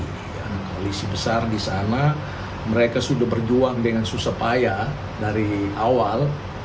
koalisi besar di sana mereka sudah berjuang dengan susah payah dari awal